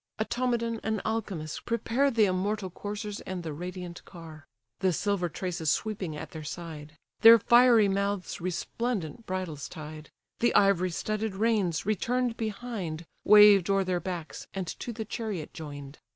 Automedon and Alcimus prepare The immortal coursers, and the radiant car; (The silver traces sweeping at their side;) Their fiery mouths resplendent bridles tied; The ivory studded reins, return'd behind, Waved o'er their backs, and to the chariot join'd.